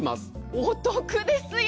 お得ですよ！